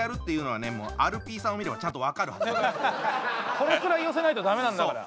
これくらい寄せないと駄目なんだから。